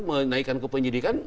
menaikkan ke penyidikan